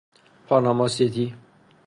پاناما سیتی